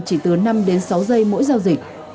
chỉ từ năm đến sáu giây mỗi giao dịch